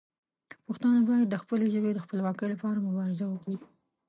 پښتانه باید د خپلې ژبې د خپلواکۍ لپاره مبارزه وکړي.